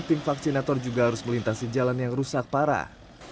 tim vaksinator juga harus melintasi jalan yang rusak parah